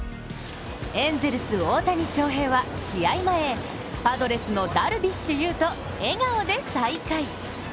エンゼルス、大谷翔平は試合前、パドレスのダルビッシュ有と笑顔で再会。